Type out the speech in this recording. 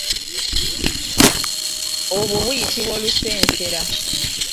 Obwo buyitibwa olusensera.